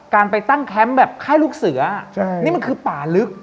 การไปตั้งแคมป์แบบค่ายลูกเสือนี่มันคือป่าลึก